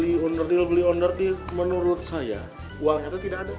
ini beli on the deal menurut saya uangnya tuh tidak ada